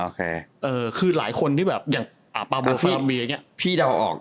โอเคเออคือหลายคนที่แบบอย่างอ่าพี่พี่เดาออก